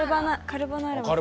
カルボナーラも。